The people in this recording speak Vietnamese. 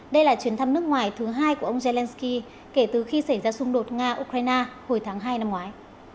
đây là chuyến thăm nước ngoài thứ hai của ông zelensky kể từ khi xảy ra xung đột nga ukraine hồi tháng hai năm ngoái